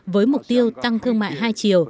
với mục tiêu tăng thương mại hai triệu